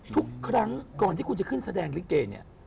ทุกครั้งก่อนที่คุณจะขึ้นแสดงลิเกเนี่ย